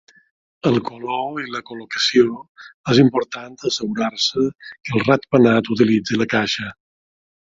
El color i la col·locació és important a assegurar-se que el ratpenat utilitzi la caixa.